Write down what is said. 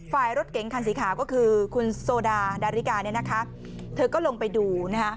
ฝ่ายรถเก๋งคันสีขาวก็คือคุณโซดาดาริกาเนี่ยนะคะเธอก็ลงไปดูนะฮะ